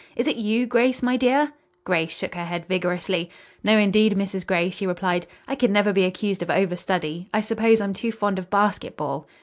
Is it you, Grace, my dear?" Grace shook her head vigorously. "No, indeed, Mrs. Gray," she replied. "I could never be accused of overstudy. I suppose I'm too fond of basketball."